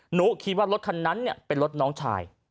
หนูคิดว่ารถคันนั้นเป็นรถน้องชาย